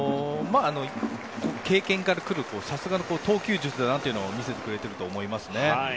経験からくるさすがの投球術だなというものを見せてくれているなと思いますね。